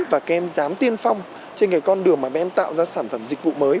và em dám tiên phong trên cái con đường mà em tạo ra sản phẩm dịch vụ mới